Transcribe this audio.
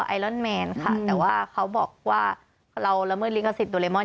ไอรอนแมนค่ะแต่ว่าเขาบอกว่าเราละเมิดลิขสิทธิโดเรมอน